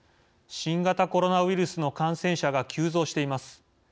新型コロナウイルスの感染者が急増しています。